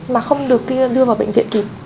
mà không được đưa vào bệnh viện kịp